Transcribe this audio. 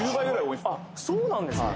あっそうなんですね